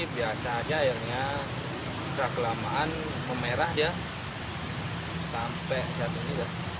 biasanya airnya terkelamaan memerah sampai saat ini